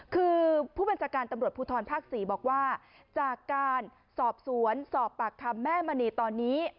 คือผู้บัญชาการตำรวจภูทรภาค๔บอกว่าจากการสอบสวนสอบปากคำแม่มณีตอนนี้